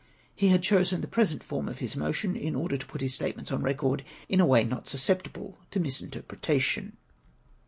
He had chosen the present form of his motion in order to put his statements on record in a way not susceptible of misrepresentation."